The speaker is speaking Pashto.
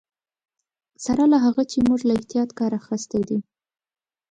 سره له هغه چې موږ له احتیاط کار اخیستی دی.